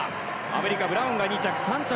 アメリカ、ブラウンが２着。